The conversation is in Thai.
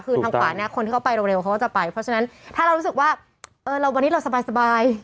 คือทางขวาเนี่ยคนที่เขาไปเร็วเขาก็จะไปเพราะฉะนั้นถ้าเรารู้สึกว่าเออวันนี้เราสบาย